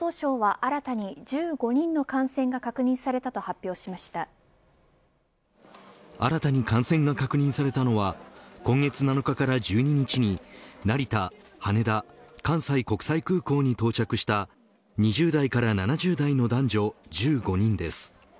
新たに感染が確認されたのは今月７日から１２日に成田、羽田、関西国際空港に到着した２０代から７０代の男女１５人です。